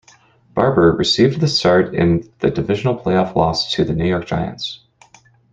Barber received the start in the divisional playoff loss to the New York Giants.